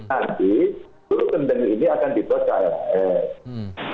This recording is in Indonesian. nanti seluruh kendali ini akan dibuat klhs